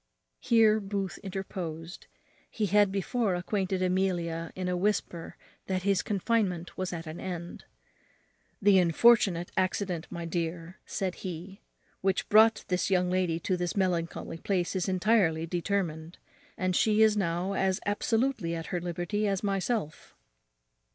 Here Booth interposed. He had before acquainted Amelia in a whisper that his confinement was at an end. "The unfortunate accident, my dear," said he, "which brought this young lady to this melancholy place is entirely determined; and she is now as absolutely at her liberty as myself."